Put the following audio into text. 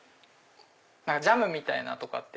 ジャムみたいなとかって。